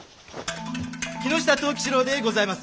木下藤吉郎でございます。